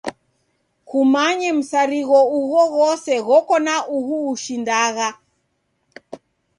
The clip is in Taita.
Kumanye msarigho ughjoghose ghoko na uhu ushindagha.